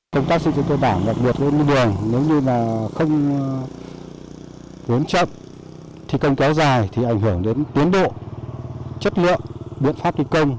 công tác thi công chậm đặc biệt với đường nếu như là không hướng chậm thi công kéo dài thì ảnh hưởng đến tiến độ chất lượng biện pháp thi công